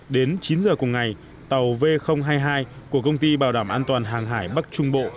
đến chín giờ cùng ngày tàu v hai mươi hai của công ty bảo đảm an toàn hàng hải bắc trung bộ